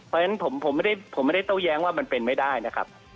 เพราะฉะนั้นผมไม่ได้โต้แย้งว่ามันเป็นไม่ได้นะครับ